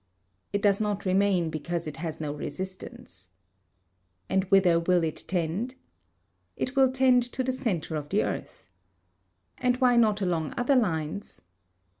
It does not remain because it has no resistance. And whither will it tend? It will tend to the centre of the earth. And why not along other lines?